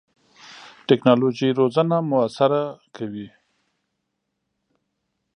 ټکنالوژي روزنه موثره کوي.